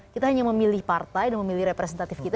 kita hanya memilih partai dan memilih representatif kita